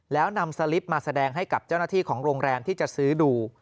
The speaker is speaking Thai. แล้วนำสลิปมาแสดงให้กับเจ้าหน้าที่ของโรงแรมที่จะซื้อดู